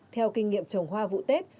theo kinh nghiệm trồng hoa vụ tết